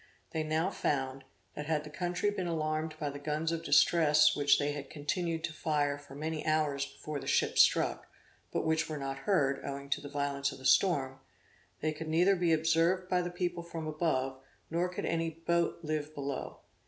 They now found, that had the country been alarmed by the guns of distress which they had continued to fire for many hours before the ship struck, but which were not heard, owing to the violence of the storm, they could neither be observed by the people from above, nor could any boat live below.